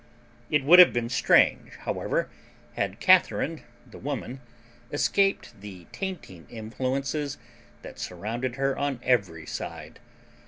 It would have been strange, however, had Catharine, the woman, escaped the tainting influences that surrounded her on every side.